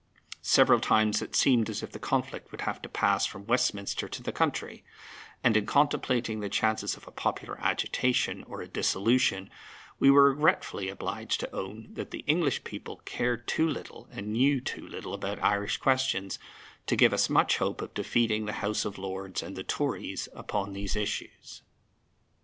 Several times it seemed as if the conflict would have to pass from Westminster to the country, and, in contemplating the chances of a popular agitation or a dissolution, we were regretfully obliged to own that the English people cared too little and knew too little about Irish questions to give us much hope of defeating the House of Lords and the Tories upon these issues.